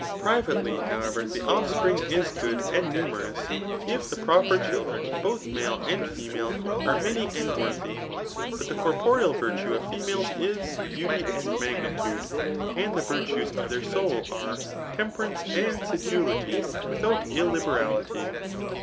Pt^ivately, however, the offspring is good and niitfterous, if die proper clilkiren, both maU and female aire nfiny and worthy. But the coi^oreal virtue of fe itiaies is, beauty arid magnitude ; and the virtues of tbtir soul are, temperance and sedulity without iU&iefafiiy.